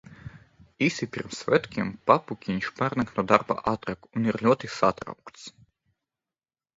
Īsi pirms svētkiem papukiņš pārnāk no darba ātrāk un ir ļoti satraukts.